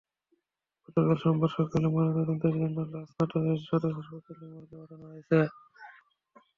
গতকাল সোমবার সকালে ময়নাতদন্তের জন্য লাশ নাটোর সদর হাসপাতালের মর্গে পাঠানো হয়েছে।